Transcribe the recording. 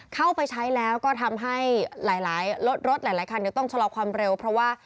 เข้าไปใช้แล้วก็ทำให้หลายรถรถหลายคันต้องชะลอความเร็วเพราะว่า